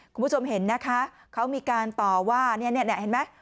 คุณผู้ชมเห็นนะคะเขามีการต่อว่าเนี่ยเห็นไหม